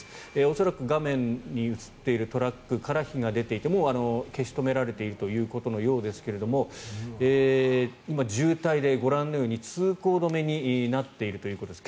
恐らく画面に映っているトラックから火が出ていてもう消し止められているということのようですが今、渋滞でご覧のように通行止めになっているということです。